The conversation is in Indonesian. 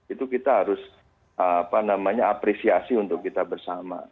itu kita harus apresiasi untuk kita bersama